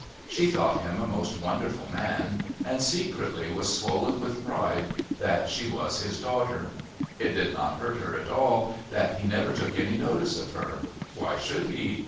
She thought him a most wonderful man, and secretly was swollen with pride that she was his daughter. It did not hurt her at all that he never took any notice of her. Why should he?